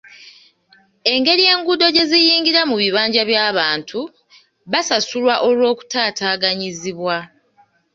Engeri enguudo gye ziyingira mu bibanja by'abantu, basasulwa olw'okutaataaganyizibwa.